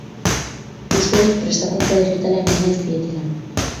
Uste dut prestakuntza digitala eman nahi zietela.